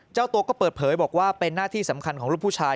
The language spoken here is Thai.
เจ้าตัวก็เปิดเผยบอกว่าเป็นหน้าที่สำคัญของลูกผู้ชาย